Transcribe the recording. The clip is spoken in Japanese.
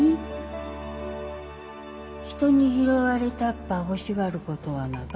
人に拾われたっば欲しがることはなか